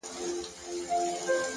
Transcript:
عاجزي د لویوالي ښکلی تاج دی!